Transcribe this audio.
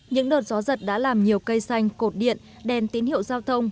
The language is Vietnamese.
những đợt gió giật đã làm nhiều cây xanh cột điện đèn tín hiệu giao thông